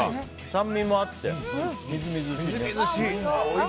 酸味もあって、みずみずしい。